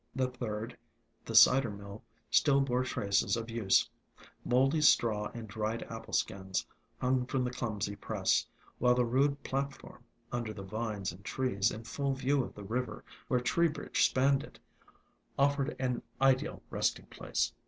The third, the cider mill, still bore traces of use. Moldy straw and dried apple skins hung from the clumsy press, while the rude platform, under the vines and trees in full view of the river where Tree bridge spanned it, offered an ideal resting place.